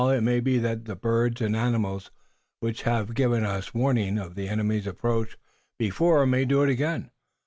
It may be that the birds and animals which have given us warning of the enemy's approach before may do it again."